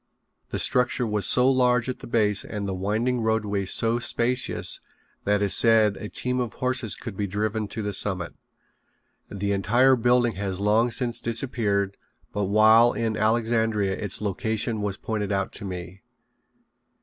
The structure was so large at the base and the winding roadway so spacious that it is said a team of horses could be driven to the summit. The entire building has long since disappeared, but while in Alexandria its location was pointed out to me.